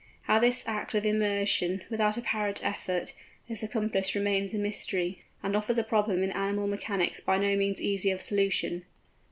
How this act of immersion, without apparent effort, is accomplished remains a mystery, and offers a problem in animal mechanics by no means easy of solution.